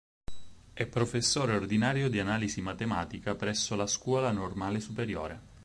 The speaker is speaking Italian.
È professore ordinario di analisi matematica presso la Scuola Normale Superiore.